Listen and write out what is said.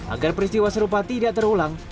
agar peristiwa serupa tidak terulang